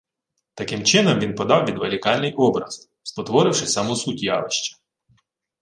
Таким чином він подав відволікальний образ, спотворивши саму суть явища